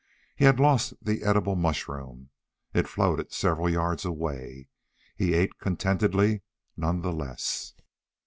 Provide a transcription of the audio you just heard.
He had lost the edible mushroom. It floated several yards away. He ate contentedly none the less.